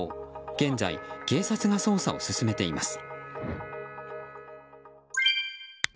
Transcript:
現在、警察が捜査を進めています。